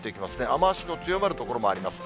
雨足の強まる所もあります。